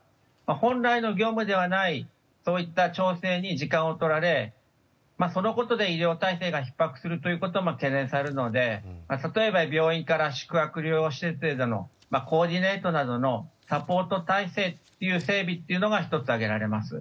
本来の業務ではないそういった調整に時間をとられそのことで医療体制がひっ迫するということも懸念されるので例えば、病院から宿泊療養施設へのコーディネートなどのサポート体制の整備というのが１つ挙げられます。